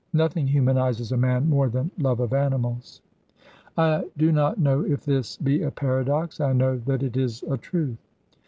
Nothing humanizes a man more than love of animals. I do not know if this be a paradox, I know that it is a truth.